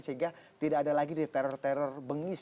sehingga tidak ada lagi di teror teror bengis